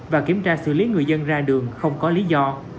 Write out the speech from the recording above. và kiểm tra xử lý người dân ra đường không có lý do